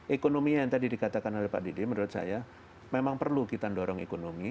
ekonomi yang tadi dikatakan oleh pak didi menurut saya memang perlu kita dorong ekonomi